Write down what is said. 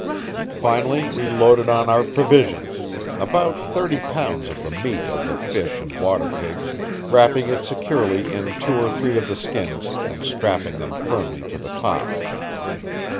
Finally we loaded on our provisions about thirty pounds of the meat of the fish and water pigs, wrapping it securely in two or three of the skins and strapping them firmly to the top.